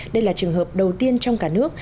đây là trường hợp đầu tiên trong cả nước